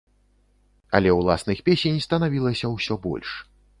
Але ўласных песень станавілася ўсё больш.